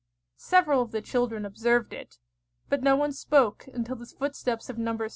Several of the children observed it, but no one spoke until the footsteps of Nos.